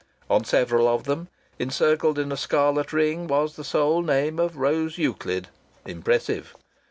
On several of them, encircled in a scarlet ring, was the sole name of Rose Euclid impressive!